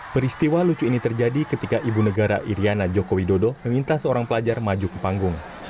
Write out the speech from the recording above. peristiwa lucu ini terjadi ketika ibu negara iryana joko widodo meminta seorang pelajar maju ke panggung